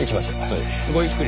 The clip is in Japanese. はい。